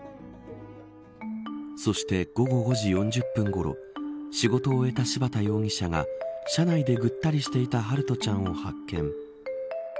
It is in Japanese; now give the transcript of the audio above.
そして、午後５時４０分ごろ仕事を終えた柴田容疑者が車内で、ぐったりしていた陽翔ちゃんを発見。